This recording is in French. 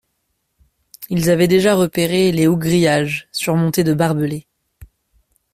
Ils avaient déjà repéré les hauts grillages surmontés de barbelés